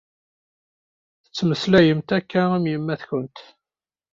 Tettmeslayemt akka am yemma-tkent.